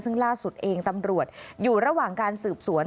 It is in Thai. ซึ่งล่าสุดเองตำรวจอยู่ระหว่างการสืบสวน